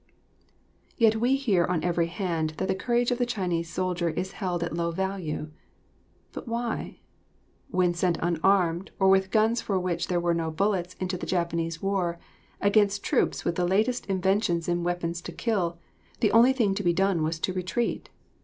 Yet we hear on every hand that the courage of the Chinese soldier is held at low value. But why? When sent unarmed, or with guns for which there were no bullets, into the Japanese war, against troops with the latest inventions in weapons to kill, the only thing to be done was to retreat.